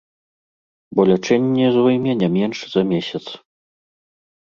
Бо лячэнне зойме не менш за месяц.